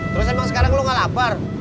terus emang sekarang lo gak lapar